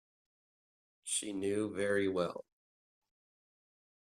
She knew very well.